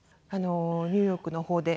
ニューヨークの方で。